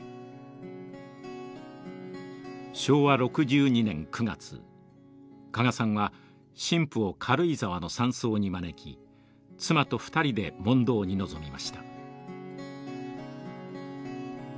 昭和６２年９月加賀さんは神父を軽井沢の山荘に招き妻と２人で問答に臨みました。